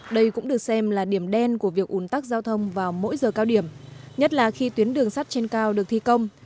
đây cũng được xem là điểm đen của việc ủn tắc giao thông vào mỗi giờ cao điểm nhất là khi tuyến đường sắt trên cao được thi công